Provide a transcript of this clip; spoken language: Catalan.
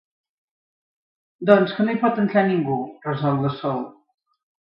Doncs que no hi pot entrar ningú —resol la Sol—.